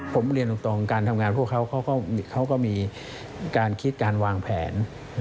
ผมเรียนตรงการทำงานพวกเขาก็มีการคิดการวางแผน